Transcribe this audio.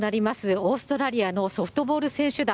オーストラリアのソフトボール選手団。